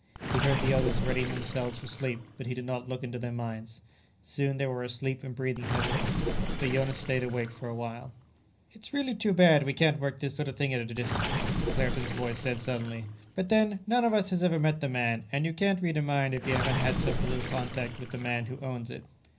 He heard the others readying themselves for sleep, but he did not look into their minds. Soon they were asleep and breathing heavily. But Jonas stayed awake for a while. "It's really too bad we can't work this sort of thing at a distance," Claerten's voice said suddenly. "But then, none of us has ever met the man, and you can't read a mind if you haven't had some physical contact with the man who owns it."